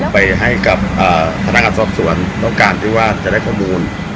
ไปให้กับพนักงานสอบสวนต้องการที่ว่าจะได้ข้อมูล